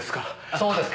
そうですか。